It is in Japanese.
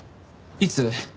いつ？